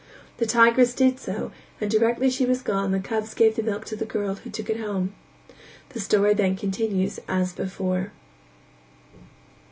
The tigress did so and directly she was gone the cubs gave the milk to the girl who took it home. The story then continues as before.